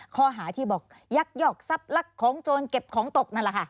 ข้อหาที่บอกยักยอกซับลักของโจรเก็บของตกนั่นล่ะค่ะ